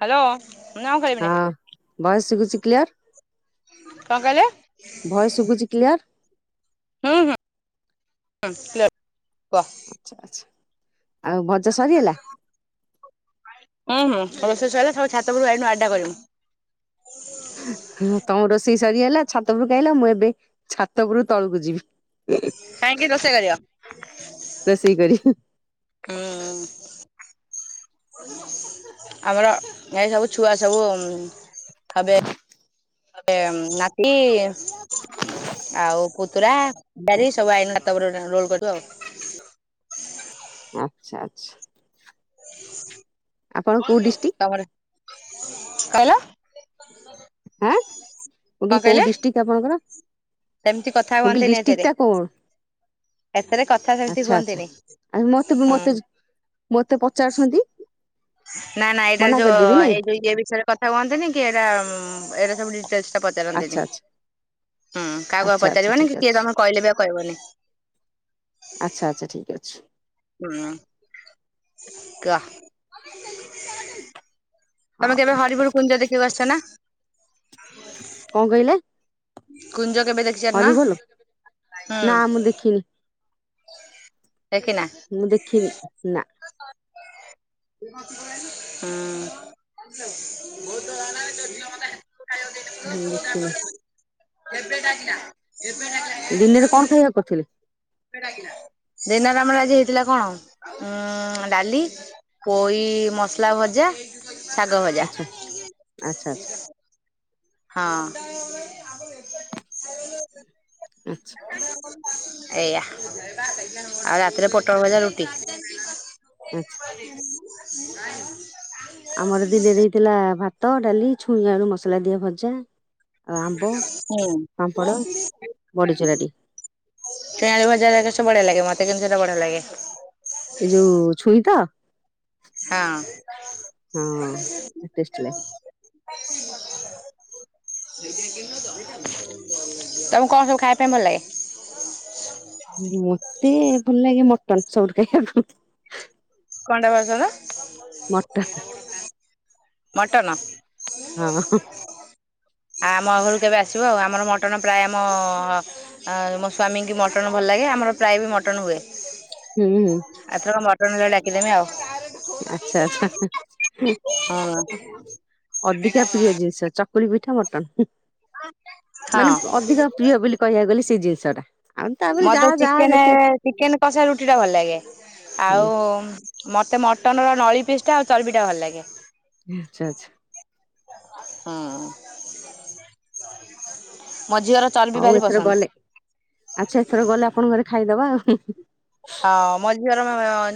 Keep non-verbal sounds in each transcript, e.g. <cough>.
Hello. ନାଁ କରିବିନି ହଁ ବଏସ ସୁଗୁଛି କ୍ଲିୟର। କଣ କହିଲେ ଭଏସ ଶୁବୁଛି କ୍ଲିୟର। ହୁଁ ହୁଁ <unintelligible> ଆଚ୍ଛା ଆଚ୍ଛା ଆଉ ଭଜା ସରିଗଲା? ହୁଁ ହୁଁ ଆଉ ରୋଷେଇ ସଇଲା ସବୁ ଛାତ ଉପରକୁ ଆଇନୁ ଆଡା କରିବୁ। ହୁ ତମ ରୋ ସେଇ ସରିଗଲା ଛାତ ଉପରକୁ କାଇଲ ମୁଁ ଏବେ ଛାତ ଉପରୁ ତଳକୁ ଯିବି କାଇକି ରୋଷେଇ କରିବ? ରଷେଇ କରିବୁ। ହୁଁ ଆମର ଏସବୁ ଛୁଆ ସବୁ ହବେ। ନାତି ଆଉ ପୁତୁରା ଝିଆରି ସବୁ ଆଇ ତାପରେ ଏନା ରୋଲ କରିବୁ ଆଉ। ଆଛା ଆଛା। ଡିଷ୍ଟ୍ରିକ୍ଟ କହିଲ। ହଁ ମୁଁ କଣ କହିଲି କୋଉ କହିଲେ ଡିଷ୍ଟ୍ରିକ୍ଟ ଆପଣଙ୍କର? ସେମିତି କଥା ମୁଁ ଗିଲି ହୁଅନ୍ତିନି ଡିଷ୍ଟ୍ରିକ୍ ଏଥିରେ ଟା କଣ? ଏଥିରେ କଥା ସେମିତି ଆଛା ଆଛା ହୁଅନ୍ତିନି ଆ ମତେ <unintelligible> ମତେ ହୁଁ ମତେ ପଚାରୁଛନ୍ତି। ନା ନା ଏଇଟା ମନା ଯୋଉ କରିଦେବି ନାଇଁ ଏଇଯୋଉ ଏଇ ବିଷୟରେ କଥା କୁହନ୍ତିନିକି ଏଇଟା ଏରା ସବୁ ଡିଟେଲସଟା ଆଚ୍ଛା ପଚାରନ୍ତିନି। ଆଚ୍ଛା। ହୁଁ କାହାକୁ ଆଚ୍ଛା ଆଉ ଆଚ୍ଛା ପଚାରିବନି ଠିକ ଅଛି କିଏ ତମକୁ କହିଲେ ବି ଆଉ କହିବନି। ଆଚ୍ଛା ଆଚ୍ଛା ଠିକ ଅଛି। ହୁଁ କୁହ। ତମେ ହଉ କେବେ ହରିପୁର କୁଞ୍ଜ ଦେଖିଆକୁ ଆସିଛନା? କଣ କହିଲେ? କୁଞ୍ଜ କେବେ ଦେଖିଯାନ ହରିବୋଲ? ନା ହୁଁ। ମୁଁ ଦେଖିନି ଦେଖିନା ମୁଁ ଦେଖିନି ନା ହ ମୁଁ ଦେଖିନି ଆ ଦିନରେ କଣ ଖାଇବାକୁ କରିଥିଲେ? ଦିନରେ ଆମର ଆଜି ହେଇଥିଲା କଣ ଉ ଡାଲି ପୋଇ ମସଲା ଭଜା। ଆଚ୍ଛା ଆଛା। ଠ୍ ଅ ହଁ। ଆଚ୍ଛା ଏଇଆ ଆଉ ରାତିରେ ପୋଟଳ ଭଜା ରୁଟି। ଆ ଆଚ୍ଛା ଆମର ଦିନେରେ ହେଇଥିଲା ଭାତ ଡାଲି ଛୁଇଁ ଆଳୁ ମସଲା ଦିଆ ଭଜା। ଆଉ ଆମ୍ବ ହୁଁ। ପାମ୍ପଡ କେ ବଡିଚୁରାଟି ଆଳୁ ଭଜାରା ବଢିଆ ଲାଗେ ମତେ କେମିତି ଏଟା ବଢିଆ ଲାଗେ। ଏଇ ଯୋଉ ଛୁଇଁତ? ହଁ। ହଁ ହ ଟେଷ୍ଟି ହ ତମକୁ କଣ ସବୁ ଖାଇବା ପାଇଁ ଭଲାଗେ? ମତେ ଭଲ ଲାଗେ ମଟନ ସବୁଠୁ ଖାଇବାକୁ। କଣ ଟା ବାସନ। ମଟନ୍। ମଟନ। ହଁ ଆ ଆମ ଘରକୁ କେବେ ଆସିବ ଆଉ ଆମର ମଟନ ପ୍ରାୟ ଆମ ଅ ମୋ ସ୍ଵାମୀଙ୍କି ମଟନ ଭଲ ଲାଗେ। ଲାଗି ଆମର ପ୍ରାୟ ବି ମଟନ ହୁଏ। ହୁଁ ହୁଁ ଏଥରକ ମଟନ ହେଲେ ଡାକିଦେମି ଆଉ। ଆଚ୍ଛା ଆଛା ହଁ ଅଧିକା ପ୍ରିୟ ଜିନିଷ। ଚକୁଳି ପିଠା ମଟନ ହଁ ମାନେ ଅଧିକ ପ୍ରିୟ ବୋଲି କହିବାକୁ ଗଲେ ସେଇ ଜିନିଷଟା। ମତେ ଚିକେନ ଚିକେନ କଷା ରୁଟିଟା ଭଲ ଲାଗେ। ହୁଁ ଆଉ ମୋତେ ମଟନର ନଳିପିସ୍ଟା ଆଉ ଚର୍ବିଟା ଭଲ ଲାଗେ। ଆଛା ଆଛା। ହଁ। ହଉ ଏଥର ଗଲେ ଆଚ୍ଛା ଏଥର ଗଲେ ଆପଣଙ୍କ ଘରେ ଖାଇଦବା ଆଉ। ହଉ ମୋ ଝିଅର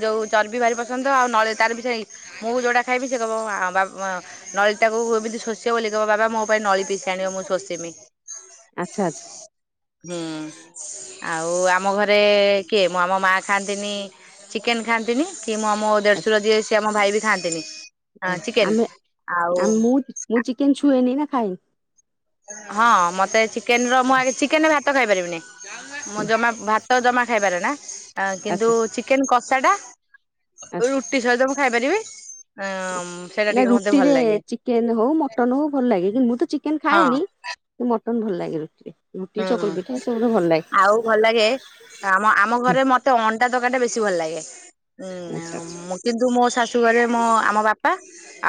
ଯୋଉ ଚର୍ବି ଭାରି ପସନ୍ଦ ଆଉ ନଳି ତାର ବି ସେ ମୁଁ ଯୋଉଟା ଖାଇବି ସେ କହିଁବ <unintelligible> ନଳୀ ଟାକୁ ଏମିତି ଶୋଷିବ ବୋଲି କହିବ ବାବା ମୋ ପାଇଁ ନଳିପିଶ ଆଣିବ ମୁଁ ଶୋଷିମି। ଆଚ୍ଛା ଆଚ୍ଛା। ହୁଁ ଆଉ ଆମ ଘରେ କିଏ ମୁଁ ଆମ ମା ଖାଆନ୍ତିନି ଚିକେନ୍ ଖାଆନ୍ତିନି। କି ମୁଁ ଆମ ଆଚ୍ଛା ଦେଢସୁର ଯିଏ ସିଏ ଆମ ଭାଇ ବି ଖାଆନ୍ତିନି। ହଁ ଚିକେନ ଆମେ ଆଉ ଆମ ମୁ ମୁଁ ଚିକେନ ଛୁଏନି ନା ଖାଇ ହଁ ମତେ ଚିକେନର ମୁଁ ଆଗ ଚିକେନରେ ଭାତ ଖାଇପାରିବିନି। ହୁଁ ମୁଁ ଜମା ଭାତ ଜମା ଖାଇପାରେ ନା। ଆ କିନ୍ତୁ ଆଚ୍ଛା ଚିକେନ କଷା ଟା ଆଚ୍ଛା ରୁଟି ସହିତ ଖାଇପାରିବି। ଅ ସେଇଟା ନା ଟିକେ ମତେ ରୁଟି ଭଲ ରେ ଲାଗେ ଚିକେନ ହଉ ମଟନ ହଉ ଭଲ ଲାଗେ କିନ୍ତୁ ମୁଁ ତ ଚିକେନ୍ ଖା ହଁ ଖାଏନି ମଟନ ଭଲ ଲାଗେ ରୁଟିରେ ରୁଟି ହୁଁ ଚକୁଳି ପିଠା ଏସବୁରେ ଭଲ ଲାଗେ ଆଉ ଭଲ ଲାଗେ ଆମ ଆମ ଘରେ ମତେ ଅଣ୍ଡା ଖଣ୍ଡେ ବେଶି ଭଲ ଲାଗେ ଆଚ୍ଛା ଆଚ୍ଛା। ଉୁଁ କିନ୍ତୁ ମୋ ଶାଶୁଘରେ ମୋ ଆମ ବାପା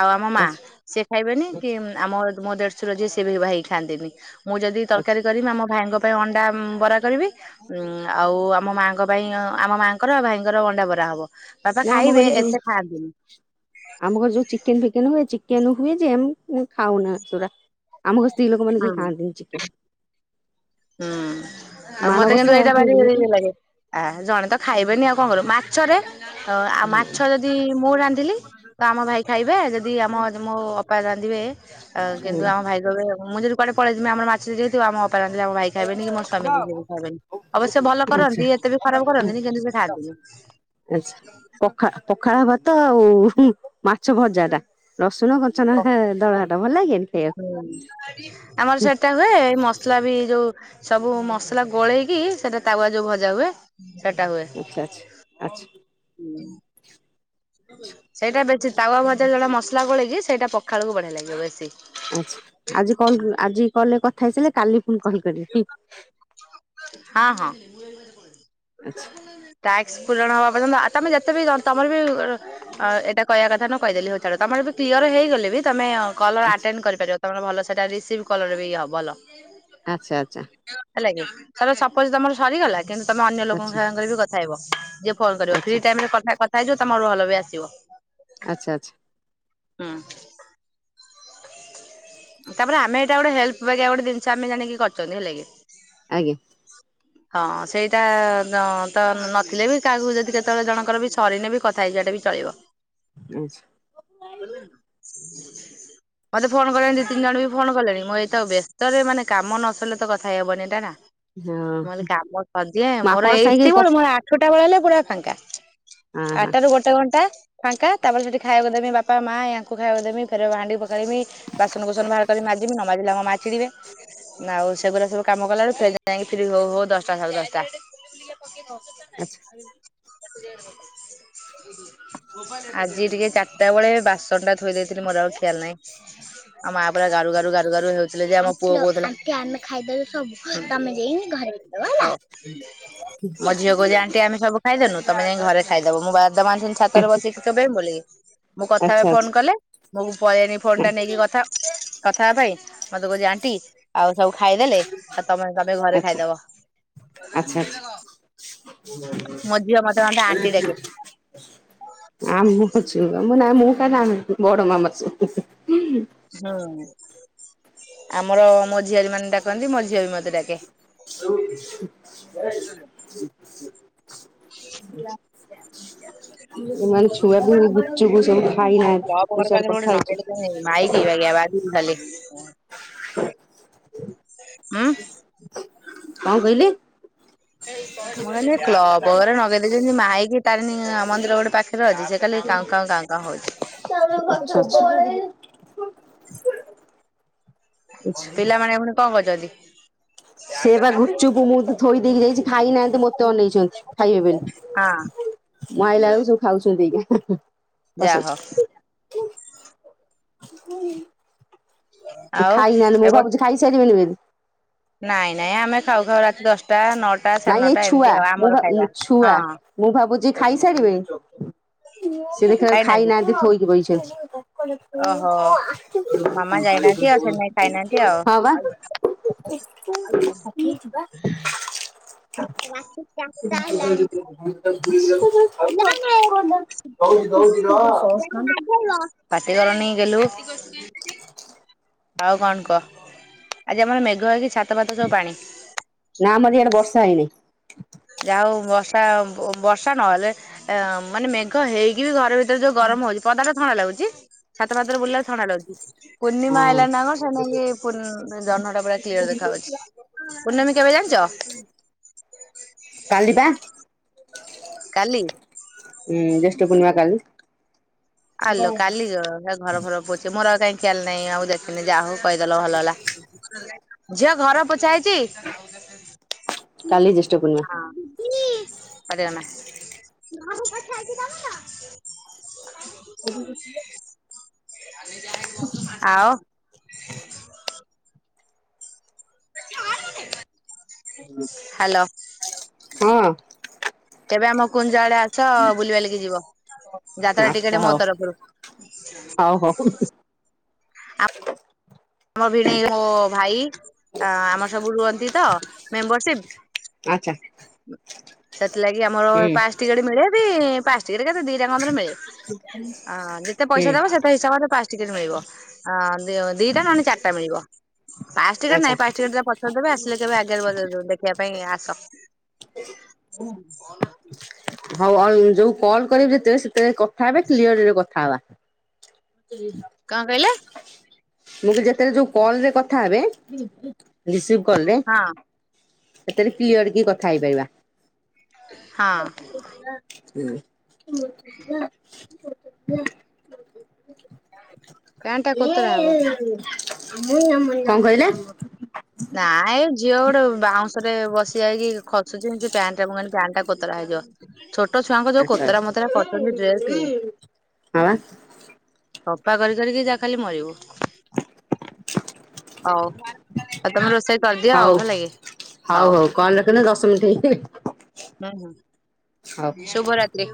ଆଉ ଆମ ମା ଆଚ୍ଛା ସେ ଖାଇବେନି କି ଆଚ୍ଛା ଆମ ମୋ ଦେଢସୁର ଯିଏ ସେ ବି ଭାଇ ଖାନ୍ତିନି ମୁଁ ଯଦି ଆଚ୍ଛା। ତରକାରୀ କରିବି ଆମ ଭାଇଙ୍କ ପାଇଁ ଅଣ୍ଡା ବରା କରିବି ଉ ଆଉ ଆମ ମାଙ୍କ ପାଇଁ ଆମ ମା ଙ୍କର ଆଉ ଭାଇ ଙ୍କର ଅଣ୍ଡା ବରା ହବ। ବାପା ନା ଆମ ଖାଇବେ ଘରେ ଯୋଉ ଏତେ ଖାଆନ୍ତିନି ଆମ ଘରେ ଯୋଉ ଚିକେନ ଫିକେନ ହବ ଚିକେନ ହୁଏ ଯେ ଖାଉନା ସେରା ଆମକୁ ସ୍ତ୍ରୀ ଲୋକମାନେ କେହି ହଁ। ଖାଆନ୍ତିନି ଚିକେନ ହୁଁ। ଆଉ ମତେ ମାଣବସା କିନ୍ତୁ ଏଇଟା ହୁଏ ବାର ବୋଲିକି ଲାଗେ ଆ ଜଣେ ତ ଖାଇବେନି ଆଉ କଣ କରୁ ମା ହଁ ଆଉ ମାଛ ହଁ। ଯଦି ମୁଁ ରାନ୍ଧିଲି ତ ଆମ ଭାଇ ଖାଇବେ ଯଦି ଆମ ମୋ ଅପା ରା ଦୁଏ କିନ୍ତୁ ଆମ ଭାଇ କହିବେ ମୁଁ ଯଦି କୁଆଡେ ପଳେଇ ଯିବି ଆମ ମାଛ ଯ ଆମ ଅପାର ହେରା ମୋ ଭାଇ ଖାଇବେନି କି ମୋ ସ୍ଵାମୀ ବି ସେଏ ବି ଖାଇବେନି ଅବଶ୍ୟ ଭଲ କରନ୍ତି ଏତେ ବି ଖରାପ ଆଚ୍ଛା କରନ୍ତିନି କିନ୍ତୁ ସେ ଖାଆନ୍ତିନି। ଆଚ୍ଛା ପଖା-ପ ପଖାଳ ଭାତ ଆଉ ଉହୁଁ ମାଛ ଭଜା ଟା ରସୁଣ କଞ୍ଚାଲଙ୍କା ଦଳା ଟା ଭଲ ଲାଗେନି? ଖାଇବାକୁ ଆମର ସେଟା ହୁଏ ଏଇ ମସଲା ବି ଯୋଉ ସବୁ ମସଲା ଗୋଳେଇକି ସେଟା ତାୱା ଯୋଉ ଭଜା ହୁଏ। ଆଚ୍ଛା ଆଚ୍ଛା ଆଚ୍ଛା। ହୁଁ। ଆଚ୍ଛା। ସେଇଟା ବେଶୀ ତାୱା ଭଜା ଜଟା ମସଲା ଗୋଳେଇକି ସେଇଟା ପଖାଳକୁ ବଢିଆ ଲାଗିବ ବେଶୀ ଆଚ୍ଛା ଆଜି କଲ୍ ଆଜି କଲ୍ ରେ କଥା ହେଇ ସାରିଲେ କାଲି ଫୁଣି କଲ୍ କରିବି। ହଁ ହଁ ଆଚ୍ଛା ଟାକ୍ସ ପୂରଣ ହବା ପର୍ଯ୍ୟନ୍ତ ତମେ ଯେତେ ବି ତମର ବି ଏଇଟା କହିବା କ କହିଦେଲି ହୋଉ ଛାଡ ତମର ବି କ୍ଲିୟର ହେଇଗଲେ ବି ତମେ କଲ୍ ର ଆଚ୍ଛା। ଆଟେଣ୍ଡ କରିପାରିବ। ତୁମର ଭଲ ସେଇଟା ରିସିଭ୍ କଲର ବି ଇଏ ହେ ଭଲ ଆଚ୍ଛା ଆଚ୍ଛା। ହେଲା କି ଥରେ ସପୋଜ ତମର ସରିଗଲା କିନ୍ତୁ ତମେ ଅନ୍ୟ ଆଚ୍ଛା ଲୋକଙ୍କ ସାଙ୍ଗରେ ବି କଥା ହେବ। ଯିଏ କଲ୍ କରିବ ଆଚ୍ଛା ଫ୍ରି ଟାଇମ ରେ ତମେ କଥା ହେଇଯିବ ତମର ଭଲ ବି ଆସିବ। ଆଚ୍ଛା ଆଚ୍ଛା। ହୁଁ। ତାପରେ ଆମେ ଏଇଟା ଗୋଟେ ହେଲ୍ପ ୱେରେ ଗୋଟେ ଜିନିଷ ଆମେ ଜାଣିକି କରିଛନ୍ତି ହେଲା କି? ଆଜ୍ଞା। ହଁ ସେଇଟା ତ ନଥିଲେ ବି କାହାକୁ ଯଦି କେତେବେଳେ ଜଣଙ୍କର ବି ସରିନି ବି କଥା ହେଇଯା ହେଲେ ଵି ଚଳିବ। ଆଚ୍ଛା ମତେ ଫୋନ କଲେଣି ଦି ତିନି ଜଣ ବି ଫୋନ କଲେଣି ମୁଁ ଏତ ବ୍ୟସ୍ତରେ ମାନେ କାମ ନ ସରିଲେ ତ କଥା ହେଇ ହବନିଇ ଏଟା ନା। ହଁ। ମୁଁ କଲି କାମ ସରି ଯାଏ ମୁଁ ମୋର ଆପଣ ସାଙ୍ଗେ ଏତେ କ ବେଳୁ ମୋର ଆଠଟା ବେଳେ ହେଲେ ପୁରା ଫାଙ୍କା। ହଁ ହଁ ଆଠ ରୁ ଗୋଟେ ଘଣ୍ଟା ଫାଙ୍କା ତାପରେ ସେଠି ଖାଇବାକୁ ଦେବି ବାପା ମା ୟାଙ୍କୁ ଖାଇବାକୁ ଦେବି ଫେର ହାଣ୍ଡି ରହିମି ବାସନକୁୁସନ ବାହାର କରିି ମାଜିବି ନ ମାଜିଲେ ମା ଚିଡିବେ ଆଉ ସେଗୁଡା ସବୁ କାମ କଲା ବେଳୁ ପୁଅ ଯାଇ ଫ୍ରି ହୋଉ ହୋଉ ଦଶଟା ସାଢେ ଦଶଟା ହୁଁ ଆଚ୍ଛା। <unintelligible> ଆଜି ଟିକେ ଚାରିଟା ବେଳେ ବାସନ ଟା ଥୋଇ ଦେଇଥିଲି ମୋର ଆଉ ଖିଆଲ ନାହିଁ ଆଉ ମା ପୁରା ଗା ଗାରୁ ଗାରୁ ଗାରୁ ହେଉଥିଲେ ଯେ ଆମ ପୁଅ କହୁଥିଲା ହୋ ମୋ ଆଚ୍ଛା ଝିଅ କହୁଛି ଆଣ୍ଟି ଆମେ ସବୁ ଖାଇଦେନୁ ତମେ ଯାଇ ଘରେ ଖାଇଦବ ମୁଁ ବାଦାମ ଅଣିଥିଲି ଛାତରେ ବସିକି ଚୋବେଇ ବି ବୋଲିକି ମୁଁ କଥା ହେବେ ଆଚ୍ଛା ଆଚ୍ଛା ଫୋନ କଲେ ମୁଁ ପଳେଇନି ଫୋନ ଟା ନେଇକି କଥା କଥା ହେବା ପାଇଁ ମତେ କହୁଛି ଆଣ୍ଟି ଆଉ ସବୁ ଖାଇଦେଲେ ଆଉ ତମେ ମତେ ଘରେ ଆଚ୍ଛା ଖାଇଦବ ଆଚ୍ଛା। ମୋ ଝିଅ ମତେ ମତେ ଆଣ୍ଟି ଡାକେ <unintelligible> <unintelligible> ହୁଁ ଆମର ମୋ ଝିଆରି ମାନେ ଡାକନ୍ତି ମୋ ଝିଅ ବି ମତେ ଡାକେ ହ <unintelligible> ହ <unintelligible> ଏମାନେ ଛୁଆ ଗୁପୁଚୁପ ସବୁ ଖାଇନାହାନ୍ତି ମୁଁ କ୍ଲବ ଘର ପାଖରେ ସିଆଡେ ଗୋଟେ ନଗେଇଲେ କଥା ମାଇକି ବାଗିଆ ହୋଉଛି ଖାଲି ଉଁ। କଣ କହିଲେ? ମୁଁ ଭାବିଲି ଏଇ କ୍ଲବ୍ ଘରେ ନଗେଇ ଦେଲି। ଯେମତି ମାଇକି ତାରିଣୀ ମନ୍ଦିର ଗୋଟେ ପାଖରେ ଅଛି ସେ କାଲି କାଉଁ-କାଉଁ-କାଉଁ ହଉଚି। ଛୋ ଛ ପିଲାମାନେ ପୁଣି କଣ କରୁଛନ୍ତି? ସିଏ ବା ଗୁପୁଚୁପ ମୁଁ ଥୋଇ ଦେଇକି ଯାଇଛି ଖାଇନାହାନ୍ତି ମତେ ଅନେଇଛନ୍ତି ଖାଇବେ ହଁ ବେଲି ମୁଁ ଆଇଲା ବେଳକୁ ସବୁ ଖାଉଛନ୍ତି ଏଇକିନା। ଯା ବସ ହଉ ଏଇଠି। ସେ ଆଉ ଖାଇ ନାହାନ୍ତି ଏ ମୁଁ ଭାବୁଛି ଖାଇ ସାରିବେଣି ବେଲି ନାଇଁ ନାଇଁ ଆମେ ଖାଉ ଖାଉ ରାତି ଦଶଟା ନଅଟା ସାଢେ ନାଇଁ ଏଇ ନଅଟା ଏମିତି ଛୁଆ ଆଉ ମୁଁ ଆମର ଖାଇବା। ଛୁଆ ହଁ ମୁଁ ଭାବୁଛି ଖାଇ ସାରିବେଣି ସେ ଦେଖିଲା ବେଳକୁ ଖାଇନାହାନ୍ତି ଥୋଇକି ବଇଛନ୍ତି। ଓହୋ ମାମା ଯାଇନାହାନ୍ତି ଆଉ ସେଥିପାଇଁ ଖାଇନାହାନ୍ତି ଆଉ। ହଁ ବା। <inaudible> <inaudible> <inaudible> ପାଟି କରନି ଗେଲୁ। <inaudible> ଆଉ କଣ କ ଆଜି ଆମର ମେଘ ହେଇକ ଛାତ ଫାତ ସବୁ ପାଣି। ନା ଆମର ଇଆଡେ ବର୍ଷା ହେଇନି। ଯାଉ ବର୍ଷା ବର୍ଷା ନହେଲେ ଏ ମାନେ ମେଘ ହେଇକି ବି ଘରେ ଭି ତରେ ଯୋଉ ଗରମ ହଉଚି ପଦାଟା ଥଣ୍ଡା ଲାଗୁଚି। ଛାତ ଫାତରେ ବୁଲିଲା ବେଳକୁ ଥଣ୍ଡା ଲାଗୁଛି ପୂର୍ଣ୍ଣିମା ହଁ। ଆଇଲାଣି ନା କଣ ସେ ନେଇକି ପୂର୍ଣ୍ଣ ଜହ୍ନଟା ପୁରା କ୍ଲିୟର ଦେଖାଉଛି। ପୂର୍ଣ୍ଣମୀ କେବେ ଜାଣିଚ? କାଲି ବା। କାଲି। ହୁଁ ଜ୍ୟେଷ୍ଠ ପୁର୍ଣ୍ଣିମା କାଲି। ଆଲୋ କାଲି ଘର ଫର ପୋଛେ ମୋର ଆଉ କାହିଁ ଖିଆଲ ନାଇଁ ଆଉ ଦେଖିନି ଯାହା ହଉ କହିଦେଲ ଭଲ ହେଲା। ଝିଅ ଘର ପୋଛା ହେଇଚି? କାଲି ଜ୍ୟେଷ୍ଠ ପୂର୍ଣ୍ଣିମା। ମମି ପାଟି କରନା ଘର ପୋଛା ହେଇଚି ତମର। ଏଠି ଦେଖିଲେ। ଆଉ ଛାଡ ମତେ। ହାଲୋ ହଁ ତେବେ ଆମ ଯୁଆଡେ ଆଛ ବୁଲି ବାଲିକି ଯିବ ଯାତ୍ରା ଆଚ୍ଛା ଟିକେଟେ ମୋ ହଉ ତରଫରୁ। ହଉ ହଉ ଆମ ଆମ ଭିଣେଇ ମୋ ଭାଇ ଆମର ସବୁ ରୁହନ୍ତି ତ, ମେମ୍ବରସିପ। ଆଚ୍ଛା। ସେଥିଲାଗି ଆମର ହୁଁ ପାସ୍ ଟିକେଟ ମିଳେ ବି ପାସ୍ ଟିକେଟ କେତେ ଦିଟା କନ୍ଦରେ ମିଳେ। <unintelligible> ଅ ଯେତେ ପଇସା ହୁଁ। ଦେବ ସେତେ ହିସାବରେ ପାଞ୍ଚ ଟିକେଟ ମିଳିବ ଅଁ ଦିଟା ନହେଲେ ଚାରଟା ମିଳିବ। ପାସ୍ ଟିକେଟ ଆଚ୍ଛା ନାଇଁ ପାସ୍ ଟିକେଟ ଟା ପଛରେ ଦେବେ ଆସିଲ କହିବେ ଆଗରେ ଦେଖିବା ପାଇଁ ଆ ସ କହୁନ କଣ? ହଉ ଆଉ ଯୋଉ କଲ୍ କରିବି ଯେତବେଳେ ସେତେବେଳେ କଥା ହେବେ କ୍ଲିୟରରେ କଥା ହେବା। କଁ କହିଲେ? ମୁଁ ଯେତେବେଳେ ଯୋଉ କଲରେ କଥା ହେବେ ରିସିଭ କଲରେ ହଁ ସେଥିରେ କ୍ଲିୟର କି କଥା ହଁ ହେଇପାରିବା। ହ ଇଏ ପ୍ୟାଣ୍ଟ ଟା ଇ। କୋତରା ହବ ମୁଁ କଣ କହିଲେ? ନାଇଁ ଏ ଝିଅ ଗୋଟେ ବାଉଁଶ ରେ ବସି ଯାଇକି ଖସୁଚି। ପ୍ୟାଣ୍ଟ ଟା ମୁଁ ଭାବିଲି ପ୍ୟାଣ୍ଟ ଟା କୋତରା ହେଇଯିବ ଛୋ ଛୋଟ ଛୁଆଙ୍କ ଯୋଉ ଆଚ୍ଛା କୋତରା ଆଚ୍ଛା। ମୋତରା ହଁ କରୁଚନ୍ତି ଡ୍ରେସେ। ବା ସଫା କରି କରିକି ଯାହା ଖାଲି ମରିବୁ ହଉ। ଆଉ ତମେ ରୋଷେଇ କରିଦିଅ ଆଉ ହଉ ହେଲାଗି ହଉ। କଲ୍ ରଖନ୍ତୁ ଦଶ ମିନିଟ୍ ହେଇଗଲାଣି ହୁଁ ହୁଁ ହଉ। ଶୁଭ ରାତ୍ରି।